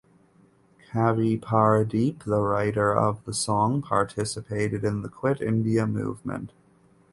Kavi Pradeep the writer of the song participated in the Quit India movement.